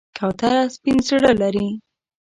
کوتره سپین زړه لري.